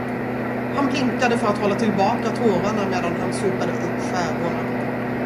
Han blinkade för att hålla tillbaka tårarna medan han sopade upp skärvorna.